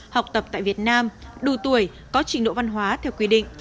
học tập tại việt nam đủ tuổi có trình độ văn hóa theo quy định